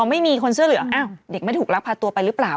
ไม่มีคนเสื้อเหลืองอ้าวเด็กไม่ถูกรักพาตัวไปหรือเปล่า